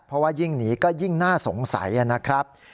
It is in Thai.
เพราะว่ายิ่งหนีก็ยิ่งน่าสงสัยนะครับ